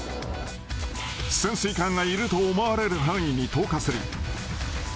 潜水艦がいると思われる範囲に投下する。